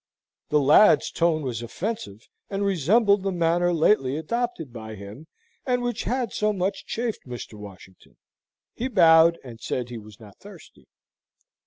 The lad's tone was offensive, and resembled the manner lately adopted by him, and which had so much chafed Mr. Washington. He bowed, and said he was not thirsty.